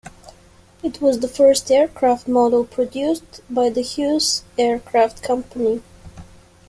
It was the first aircraft model produced by the Hughes Aircraft company.